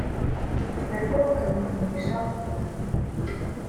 narwo rukabimenyesha u Rwanda